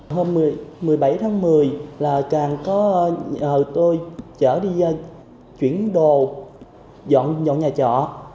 hôm một mươi bảy tháng một mươi là càng có nhờ tôi chở đi chuyển đồ dọn nhà trọ